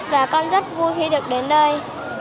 và con rất vui khi được đến đây